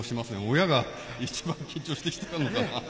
親が一番緊張してきたのかな？